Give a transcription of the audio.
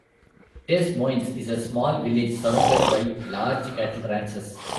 Des Moines is a small village surrounded by large cattle ranches.